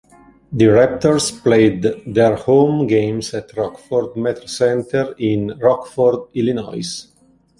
The Raptors played their home games at Rockford MetroCentre in Rockford, Illinois.